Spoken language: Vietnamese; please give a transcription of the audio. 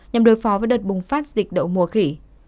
nhằm đối phó với đợt bùng phát dịch đậu mùa khỉ